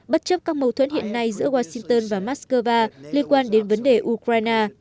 bất chấp các mâu thuẫn hiện nay giữa washington và moscow liên quan đến vấn đề ukraine